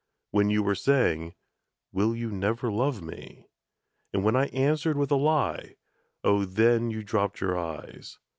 When you were saying, "Will you never love me?" And when I answered with a lie. Oh then You dropped your eyes.